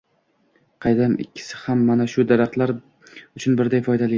-Qaydam. Ikkisi ham mana shu daraxtlar uchun birday foydali.